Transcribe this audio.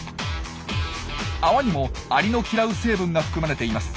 泡にもアリの嫌う成分が含まれています。